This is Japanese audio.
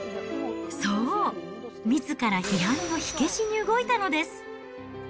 そう、みずから批判の火消しに動いたのです。